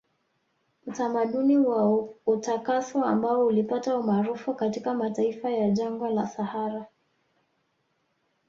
Utamaduni wa utakaso ambao ulipata umaarufu katika mataifa ya jangwa la sahara